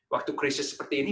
waktu krisis seperti ini